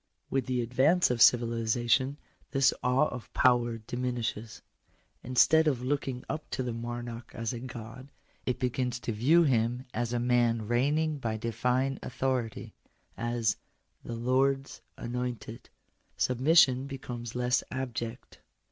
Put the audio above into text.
With the advance of civilization this awe of power diminishes. Instead of looking up to the monarch as a God, it begins to view him as a man reigning by divine authority — as " the Lords anointed." Submission becomes less abject.